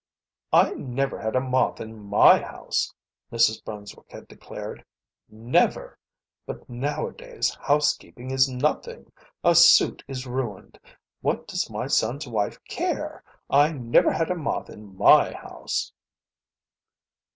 "I never had a moth in my house!" Mrs. Brunswick had declared. "Never. But nowadays housekeeping is nothing. A suit is ruined. What does my son's wife care! I never had a moth in my house."